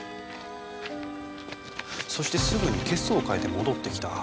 そしてすぐに血相を変えて戻ってきた。